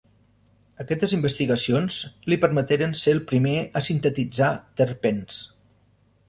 Aquestes investigacions li permeteren ser el primer a sintetitzar terpens.